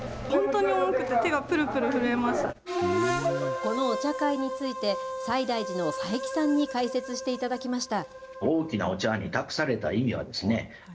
このお茶会について、西大寺の佐伯さんに解説していただきました。